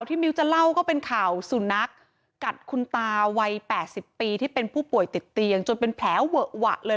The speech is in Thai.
มิ้วจะเล่าก็เป็นข่าวสุนัขกัดคุณตาวัย๘๐ปีที่เป็นผู้ป่วยติดเตียงจนเป็นแผลเวอะหวะเลย